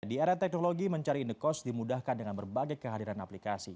di era teknologi mencari indekos dimudahkan dengan berbagai kehadiran aplikasi